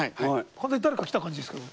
本当に誰か来た感じですけど。